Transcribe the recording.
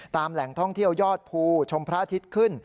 แหล่งท่องเที่ยวยอดภูชมพระอาทิตย์ขึ้น